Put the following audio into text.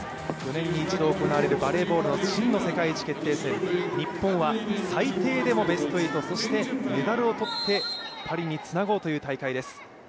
４年に一度行われるバレーボール世界一決定戦日本は最低でもベスト８そしてメダルを取って、パリにつなごうという大会です。